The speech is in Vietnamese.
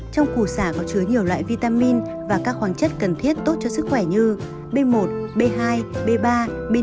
trong củ xả có chứa nhiều loại vitamin và các khoáng chất cần thiết tốt cho sức khỏe như b một b hai b ba b năm b sáu